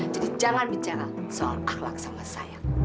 jadi jangan bicara soal ahlak sama saya